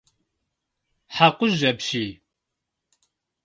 Хьэкъужь апщий!